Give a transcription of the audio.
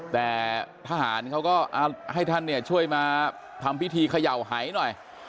แต่ทหารเขาก็ให้ท่านเนี่ยช่วยมาทำพิธีเขย่าหายหน่อย